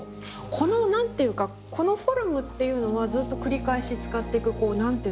この何ていうかこのフォルムっていうのはずっと繰り返し使ってくこう何ていうんですか。